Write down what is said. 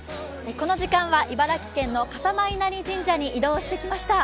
この時間は茨城県の笠間稲荷神社に移動してきました。